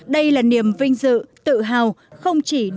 đây là niềm vinh dự tự hào